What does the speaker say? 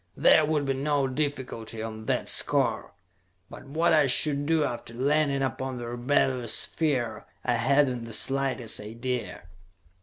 There would be no difficulty on that score. But what I should do after landing upon the rebellious sphere, I had not the slightest idea.